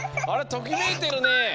ときめいてるね。